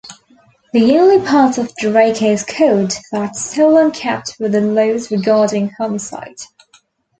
The only parts of Draco's code that Solon kept were the laws regarding homicide.